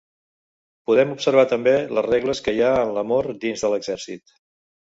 Podem observar també les regles que hi ha en l'amor dins de l'exèrcit.